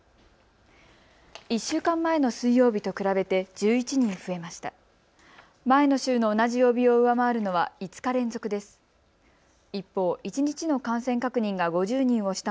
１週間前の水曜日と比べて１１人増えました。